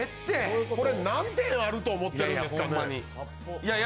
これ、何点あると思ってるんですか。